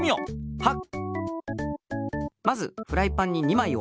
はっ。